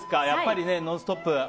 やっぱり「ノンストップ！」